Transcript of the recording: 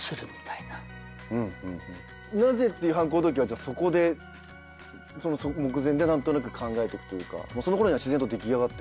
なぜっていう犯行動機はそこで目前で何となく考えてくというかそのころには自然と出来上がって。